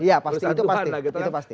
iya pasti itu pasti